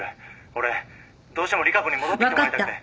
俺どうしても利佳子に戻ってきてもらいたくて。